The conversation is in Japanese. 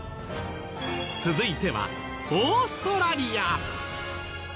続いてはオーストラリア。